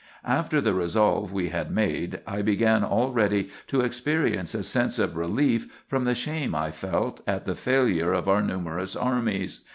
After the resolve we had made, I began already to experience a sense of relief from the shame I felt at the failure of our numerous armies.